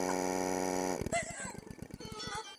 ناروغان روژه نیولای سي؟